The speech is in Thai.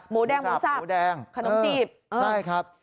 หมูแดงหมูสับขนมจีบใช่ครับหมูสับหมูแดงใช่ครับ